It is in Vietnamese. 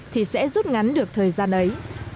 thì sẽ rút ngắn được thời gian ấy